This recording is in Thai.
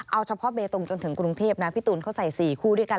เอาเฉพาะเบตงจนถึงกรุงเทพนะพี่ตูนเขาใส่๔คู่ด้วยกัน